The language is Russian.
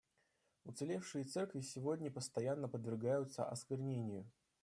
Уцелевшие церкви сегодня постоянно подвергаются осквернению.